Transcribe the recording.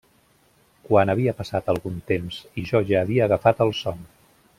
Quan havia passat algun temps i jo ja havia agafat el son.